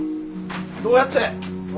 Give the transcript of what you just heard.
どうやって？